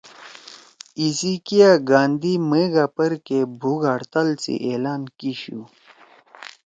ایِسی سی کیا گاندھی مئگا پرکے بھوک ہڑتال سی اعلان کی شُو